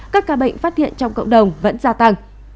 các ca bệnh phát hiện trong cộng đồng vẫn gia tăng